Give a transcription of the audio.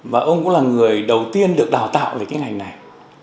và ông cũng là người đầu tiên được đào tạo về kinh hành này